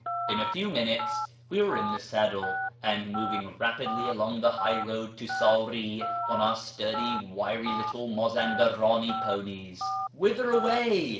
In a few minutes we were in the saddle, and moving rapidly along the high road to Sari on our sturdy, wiry little Mazandarani ponies. " AVhither away